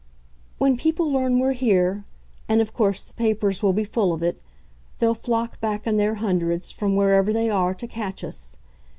"When people learn we're here and of course the papers will be full of it! they'll flock back in their hundreds, from wherever they are, to catch us.